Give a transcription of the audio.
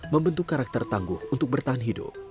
membentuk karakter tangguh untuk bertahan hidup